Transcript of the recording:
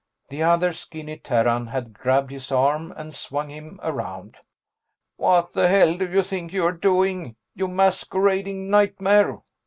The other skinny Terran had grabbed his arm and swung him around. "What the hell do you think you're doing, you masquerading nightmare?"